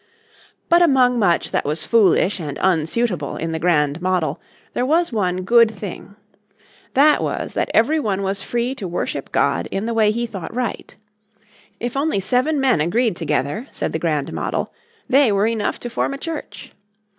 But among much that was foolish and unsuitable in the Grand Model there was one good thing. That was that every one was free to worship God in the way he thought right. If only seven men agreed together, said the Grand Model, they were enough to form a church.